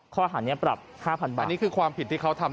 ข้อหานี้ปรับ๕๐๐บาทนี่คือความผิดที่เขาทำ